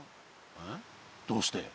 えどうして？